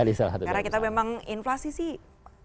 karena kita memang inflasi sih